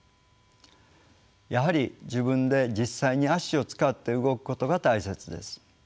やはり自分で実際に足を使って動くことが大切です。